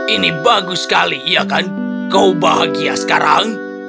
ini bagus sekali iya kan kau bahagia sekarang